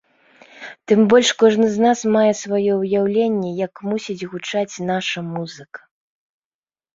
Тым больш кожны з нас мае сваё ўяўленне, як мусіць гучаць наша музыка.